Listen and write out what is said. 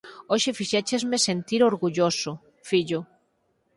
Hoxe fixéchesme sentir orgulloso, fillo.